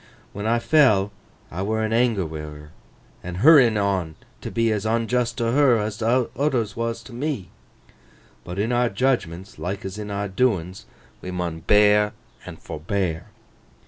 When I fell, I were in anger wi' her, an' hurryin on t' be as onjust t' her as oothers was t' me. But in our judgments, like as in our doins, we mun bear and forbear.